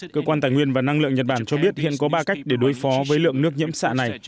cơ quan tài nguyên và năng lượng nhật bản cho biết hiện có ba cách để đối phó với lượng nước nhiễm xạ này